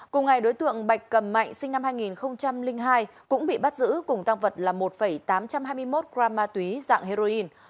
cùng ngày đối tượng bạch cầm mạnh sinh năm hai nghìn hai cũng bị bắt giữ cùng tăng vật là một tám trăm hai mươi một gram ma túy dạng heroin